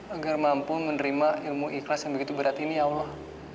agar mampu menerima ilmu ikhlas yang begitu berat ini ya allah